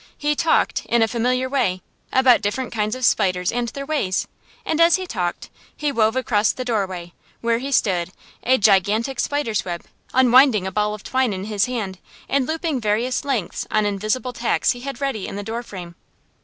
He talked, in a familiar way, about different kinds of spiders and their ways; and as he talked, he wove across the doorway, where he stood, a gigantic spider's web, unwinding a ball of twine in his hand, and looping various lengths on invisible tacks he had ready in the door frame.